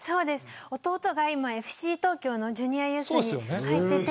弟がＦＣ東京のジュニアユースに入っていて。